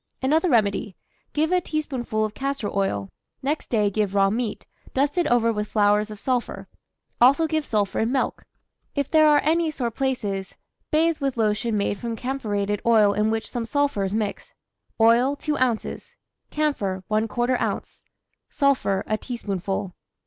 Another remedy: give a teaspoonful of castor oil; next day give raw meat, dusted over with flowers of sulphur. Also give sulphur in milk. If there are any sore places, bathe with lotion made from camphorated oil in which some sulphur is mixed. Oil, 2 oz.; camphor, ¼ oz.; sulphur, a teaspoonful.